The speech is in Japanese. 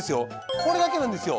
これだけなんですよ。